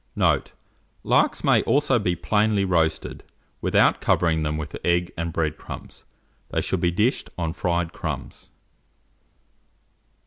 Note. Larks may also be plainly roasted, without covering them with egg and bread crumbs; they should be dished on fried crumbs.